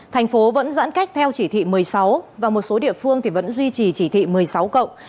thành phố vẫn giãn cách theo chỉ thị một mươi sáu và một số địa phương vẫn duy trì chỉ thị một mươi sáu cộng